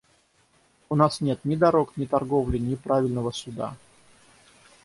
У нас нет ни дорог, ни торговли, ни правильного суда.